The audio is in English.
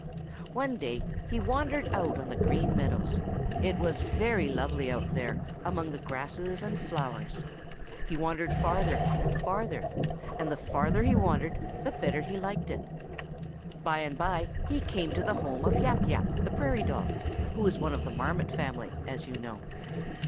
One day he wandered out on the Green Meadows. It was very lovely out there among the grasses and flowers. He wandered farther and farther, and the farther he wandered the better he liked it. By and by he came to the home of Yap Yap the Prairie Dog, who is one of the Marmot family, as you know.